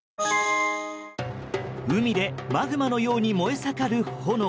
海でマグマのように燃え盛る炎。